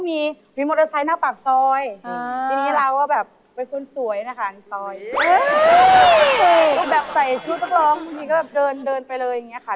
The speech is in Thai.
มีชุดนักรองไปเดินไปเลย